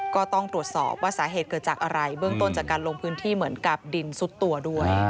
ก็ต้องตรวจสอบว่าสาเหตุเกิดจากอะไรเบื้องต้นจากการลงพื้นที่เหมือนกับดินซุดตัวด้วย